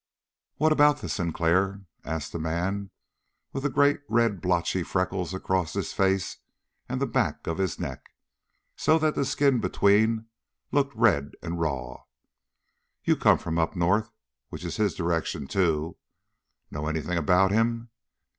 "What about this Sinclair?" asked the man with the great, red, blotchy freckles across his face and the back of his neck, so that the skin between looked red and raw. "You come from up north, which is his direction, too. Know anything about him?